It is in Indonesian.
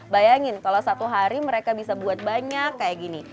bayangin kalau satu hari mereka bisa buat banyak kayak gini